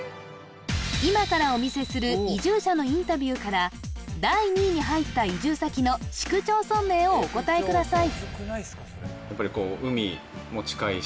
今からお見せする移住者のインタビューから第２位に入った移住先の市区町村名をお答えください